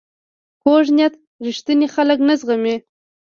کوږ نیت رښتیني خلک نه زغمي